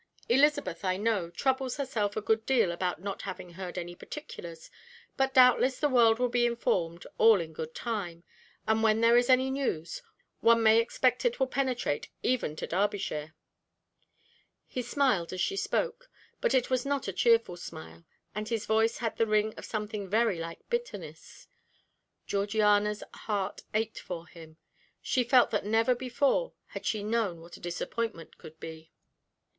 "Elizabeth, I know, troubles herself a good deal about not having heard any particulars, but doubtless the world will be informed all in good time, and when there is any news, one may expect it will penetrate even to Derbyshire." He smiled as he spoke, but it was not a cheerful smile, and his voice had the ring of something very like bitterness. Georgiana's heart ached for him; she felt that never before had she known what a disappointment could be.